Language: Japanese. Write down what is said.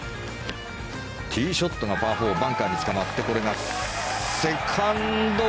ティーショットがパー４バンカーにつかまってこれがセカンド。